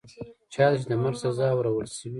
چا ته چي د مرګ سزا اورول شوې